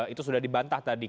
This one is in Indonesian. itu sudah dibantah tadi